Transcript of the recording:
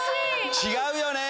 違うよねー。